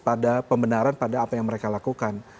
pada pembenaran pada apa yang mereka lakukan